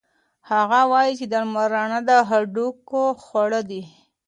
هغه وایي چې د لمر رڼا د هډوکو خواړه دي.